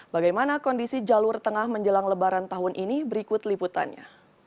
bagaimana kondisi jalur tengah menjelang lebaran tahun ini berikut liputannya